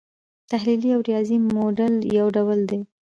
تحلیلي او ریاضیکي موډل یو ډول دی.